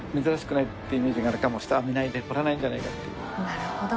なるほど。